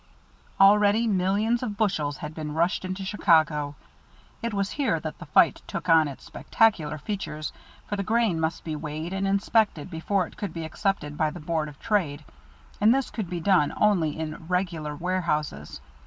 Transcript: Already millions of bushels had been rushed into Chicago. It was here that the fight took on its spectacular features, for the grain must be weighed and inspected before it could be accepted by the Board of Trade, and this could be done only in "regular" warehouses.